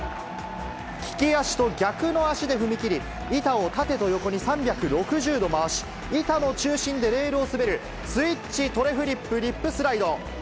利き足と逆の足で踏み切り、板を縦と横に３６０度回し、板の中心でレールを滑る、スイッチトレフリップリップスライド。